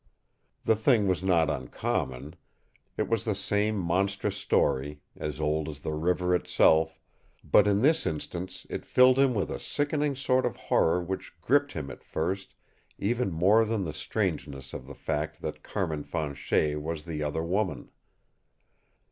The thing was not uncommon. It was the same monstrous story, as old as the river itself, but in this instance it filled him with a sickening sort of horror which gripped him at first even more than the strangeness of the fact that Carmin Fanchet was the other woman.